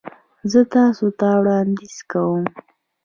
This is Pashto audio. زه تاسو ته وړاندیز کوم